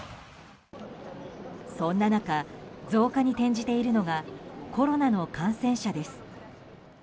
そんな中、増加に転じているのがコロナの感染者です。